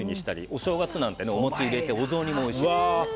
お正月はおもち入れてお雑煮もおいしいですね。